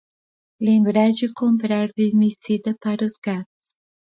Lembrar de comprar vermicida para gatos